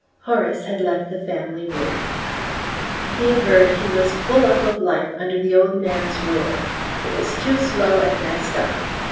Horace had left the family roof. He averred he was "full up of life under the old man's rule. It was too slow and messed up."